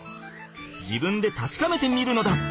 自分でたしかめてみるのだ！